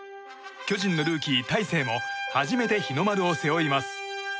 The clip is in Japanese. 巨人のルーキー、大勢も初めて日の丸を背負います。